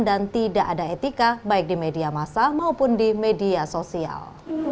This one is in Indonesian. dan tidak ada etika baik di media masa maupun di media sosial